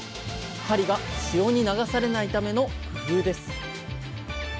針が潮に流されないための工夫です